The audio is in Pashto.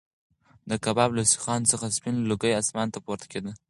د کباب له سیخانو څخه سپین لوګی اسمان ته پورته کېده.